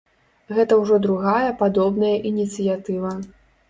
Гэта ўжо другая падобная ініцыятыва.